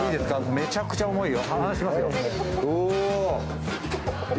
めちゃくちゃ重いよ。